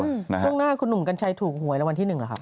ช่วงหน้าคุณหนุ่มกัญชัยถูกหวยรางวัลที่๑หรือครับ